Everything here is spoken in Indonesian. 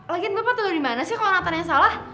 lagian bapak tuh dimana sih kalo nathan yang salah